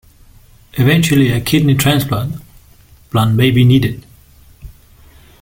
Eventually, a kidney transplant may be needed.